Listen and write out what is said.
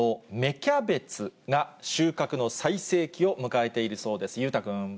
キャベツが収穫の最盛期を迎えているそうです。